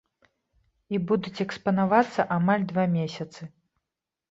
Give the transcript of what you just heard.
І будуць экспанавацца амаль два месяцы.